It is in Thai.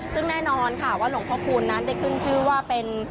ซึ่งแน่นอนค่ะว่าหลวงพ่อคูณนั้นได้ขึ้นชื่อว่าเป็น